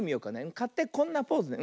かってこんなポーズだよ。